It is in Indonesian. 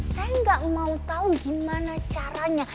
saya nggak mau tahu gimana caranya